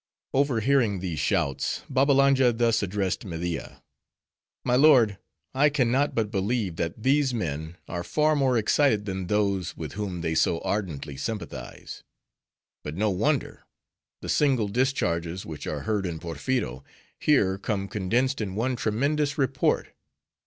Overhearing these shouts, Babbalanja thus addressed Media:—"My lord, I can not but believe, that these men, are far more excited than those with whom they so ardently sympathize. But no wonder. The single discharges which are heard in Porpheero; here come condensed in one tremendous report.